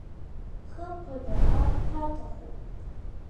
Хымԥада, аамҭа аҭахуп…